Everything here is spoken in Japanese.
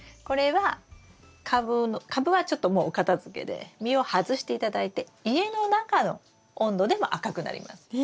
これは株はちょっともうお片づけで実を外して頂いて家の中の温度でも赤くなります。